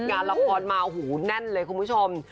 งานละครมาโอ้โหแน่นเลยคุณผู้ชม